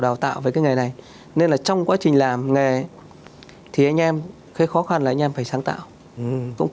đào tạo về cái nghề này nên là trong quá trình làm nghề thì anh em cái khó khăn là anh em phải sáng tạo cũng